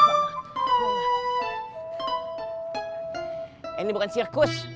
eh ini bukan sirkus